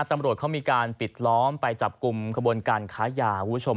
ตำรวจเขามีการปิดล้อมไปจับกลุ่มขบวนการค้ายาคุณผู้ชม